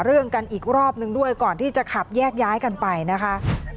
ก็เป็นอีกหนึ่งเหตุการณ์ที่เกิดขึ้นที่จังหวัดต่างปรากฏว่ามีการวนกันไปนะคะ